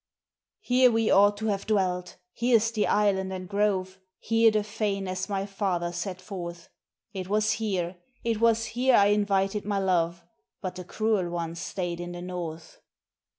"Here we ought to have dwelt, here's the island and grove, here the fane as my father set forth. It was here, it was here I invited my love, but the cruel one staid in the North.